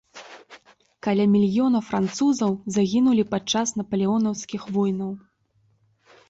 Каля мільёна французаў загінулі падчас напалеонаўскіх войнаў.